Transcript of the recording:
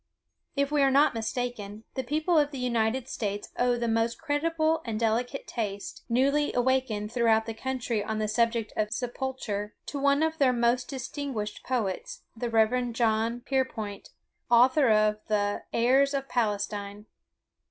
If we are not mistaken, the people of the United States owe the most creditable and delicate taste, newly awakened throughout the country on the subject of sepulture, to one of their most distinguished poets, the Rev. John Pierpoint, author of the "Airs of Palestine."